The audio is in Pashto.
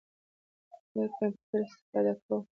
زه کمپیوټر استفاده کوم